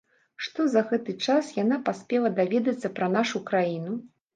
Што за гэты час яна паспела даведацца пра нашу краіну?